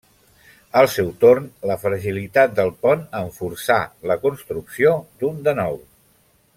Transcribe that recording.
Al seu torn, la fragilitat del pont en forçà la construcció d'un de nou.